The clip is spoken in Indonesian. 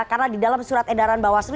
karena di dalam surat edaran bawaslu